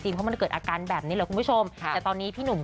เพราะมันจะเกิดอาการแบบนี้เนะคุณผู้ชม